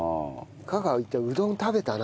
香川行ってうどん食べたな。